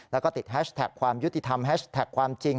แล้วก็ติดแฮชแท็กความยุติธรรมแฮชแท็กความจริง